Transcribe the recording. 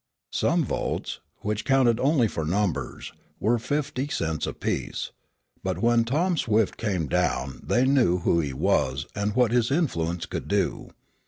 Some votes, which counted only for numbers, were fifty cents apiece, but when Tom Swift came down they knew who he was and what his influence could do.